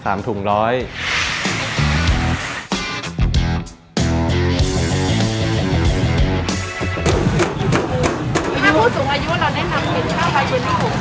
ถ้าผู้สูงอายุเราแนะนำเป็นข้าวไลฟ์เย็นที่๖